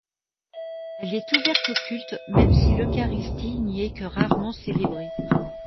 Elle est ouverte au culte, même si l’eucharistie n’y est que rarement célébrée.